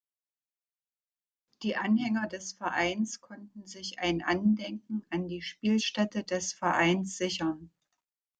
Die Anhänger des Vereins konnten sich ein Andenken an die Spielstätte des Vereins sichern.